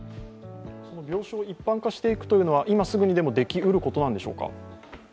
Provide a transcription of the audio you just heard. その病床を一般化していくということは、今すぐにもできることでしょうか？